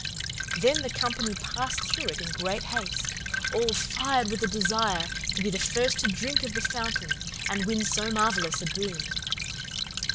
"Then the company passed through in great haste, all fired with a desire to be the first to drink of the fountain and win so marvellous a boon.